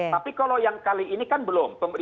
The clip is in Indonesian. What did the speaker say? tapi kalau yang kali ini kan belum